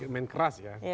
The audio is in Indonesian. main keras ya